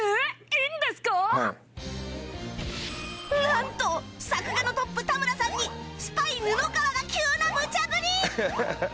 なんと作画のトップ田村さんにスパイ布川が急なムチャぶり！